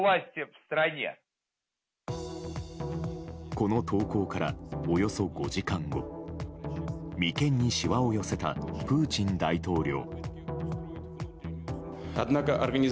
この投稿からおよそ５時間後眉間にしわを寄せたプーチン大統領。